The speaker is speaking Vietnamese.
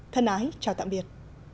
thân ái chào tạm biệt